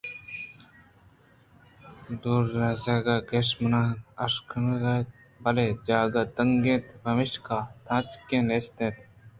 دروازگ کش ماں کش اِت اَنت بلئے جاگہ تنک اَت پمیشکہ تاکچہ نیست اَت